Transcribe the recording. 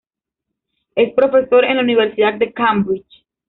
Es profesor en la Universidad de Cambridge.